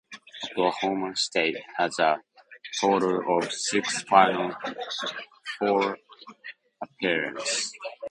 Oklahoma State has a total of six Final Four appearances.